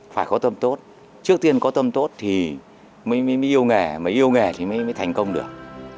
phải có tâm tốt trước tiên có tâm tốt thì mới yêu nghề mà yêu nghề thì mới thành công được